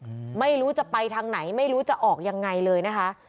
อืมไม่รู้จะไปทางไหนไม่รู้จะออกยังไงเลยนะคะ